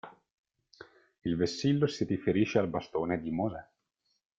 Il vessillo si riferisce al bastone di Mosè.